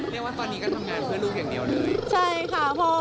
เรียกว่าตอนนี้ก็ทำงานเพื่อลูกอย่างเดียวเลย